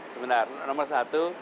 sebenarnya nomor satu